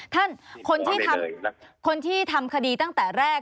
คนที่ทำคดีตั้งแต่แรก